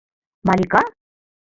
Малика?..